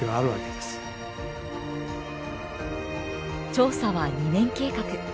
調査は２年計画。